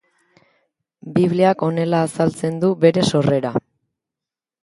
Bibliak honela azaltzen du bere sorrera.